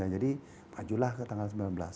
jadi pajulah ke tanggal sembilan belas